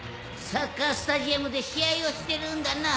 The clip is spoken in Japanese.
サッカースタジアムで試合をしてるんだナ。